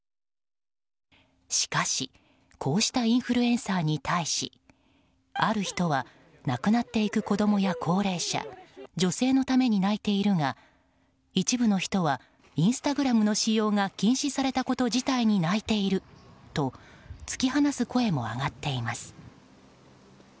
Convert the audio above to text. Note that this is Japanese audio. しかし、こうしたインフルエンサーに対しある人は亡くなっていく子供や高齢者女性のために泣いているが一部の人はインスタグラムの使用が禁止されたこと自体に泣いていると突き放す声も上がっています。